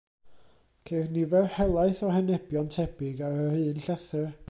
Ceir nifer helaeth o henebion tebyg ar yr un llethr.